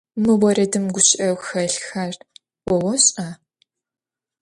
Мы орэдым гущыӏэу хэлъхэр о ошӏа?